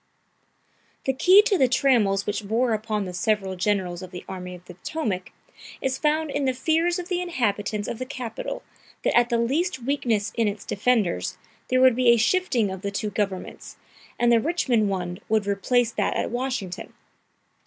The key to the trammels which bore upon the several generals of the Army of the Potomac is found in the fears of the inhabitants of the capital that at the least weakness in its defenders, there would be a shifting of the two governments, and the Richmond one would replace that at Washington.